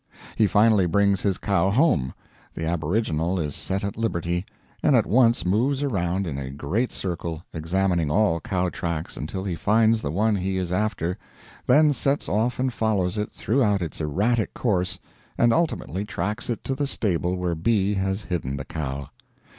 He finally brings his cow home; the aboriginal is set at liberty, and at once moves around in a great circle, examining all cow tracks until he finds the one he is after; then sets off and follows it throughout its erratic course, and ultimately tracks it to the stable where B. has hidden the cow.